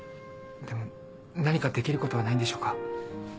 でも何かできることはないんでしょうか。